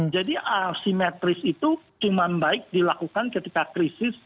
jadi simetris itu cuman baik dilakukan ketika krisis